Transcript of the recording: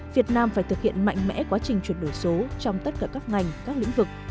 việt nam phải thực hiện mạnh mẽ quá trình chuyển đổi số trong tất cả các ngành các lĩnh vực